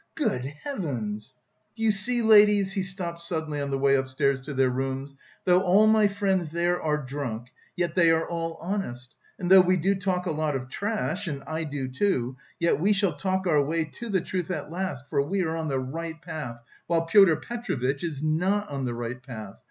Good heavens! Do you see, ladies?" he stopped suddenly on the way upstairs to their rooms, "though all my friends there are drunk, yet they are all honest, and though we do talk a lot of trash, and I do, too, yet we shall talk our way to the truth at last, for we are on the right path, while Pyotr Petrovitch... is not on the right path.